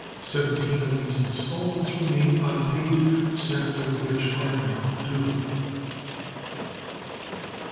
Seventeen of these installments, remain unpaid, seven of which are now due.